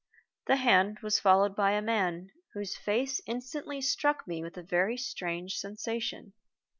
The hand was followed by a man whose face instantly struck me with a very strange sensation.